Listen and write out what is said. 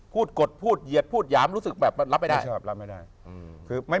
พูดกดพูดเหยียดพูดหยามรู้สึกแบบรับไม่ได้